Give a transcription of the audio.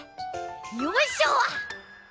よいしょ！